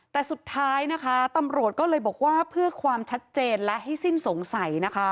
แต่สุดท้ายนะคะตำรวจก็เลยบอกว่าเพื่อความชัดเจนและให้สิ้นสงสัยนะคะ